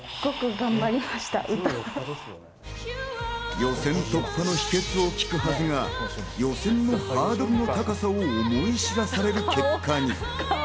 予選突破の秘訣を聞くはずが予選のハードルの高さを思い知らされる結果に。